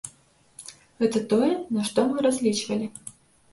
Гэта тое, на што мы разлічвалі.